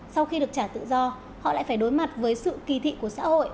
sau khi được trả tự do họ lại phải đối mặt với sự kỳ thị của xã hội